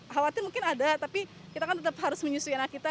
khawatir mungkin ada tapi kita kan tetap harus menyusui anak kita